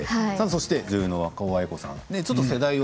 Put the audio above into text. そして女優の若尾文子さん。